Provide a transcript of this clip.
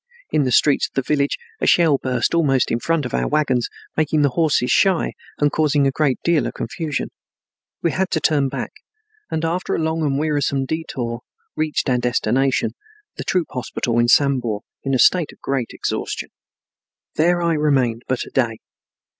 In the streets of the village a shell burst almost in front of our wagons, making the horses shy and causing a great deal of confusion. We had to turn back and after a long and wearisome detour reached our destination, the troop hospital in Sambor, in a state of great exhaustion. There I remained but a day.